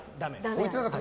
置いてなかった？